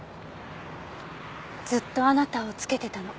ずっとあなたをつけてたの。